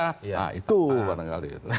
nah itu kadang kadang